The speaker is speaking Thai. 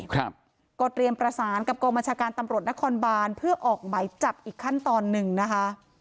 ครับก็เตรียมประสานกับกองบัญชาการตำรวจนครบานเพื่อออกหมายจับอีกขั้นตอนหนึ่งนะคะ